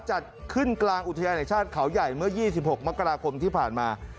จัดขึ้นกลางอุทยานแห่งชาติเขาใหญ่เมื่อ๒๖มกราคมที่ผ่านมา